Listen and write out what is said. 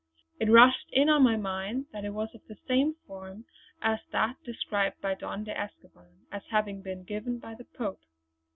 It rushed in on my mind that it was of the same form as that described by Don de Escoban as having been given by the Pope.